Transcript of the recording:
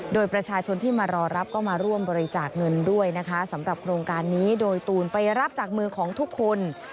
โดยประชาชนที่มารอรับก็มาร่วมบริจาคเงินด้วยนะคะสำหรับโครงการนี้โดยตูนไปรับจากมือของทุกคน